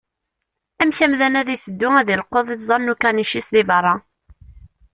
Amek amdan ad iteddu ad ileqqeḍ iẓẓan n ukanic-is di beṛṛa?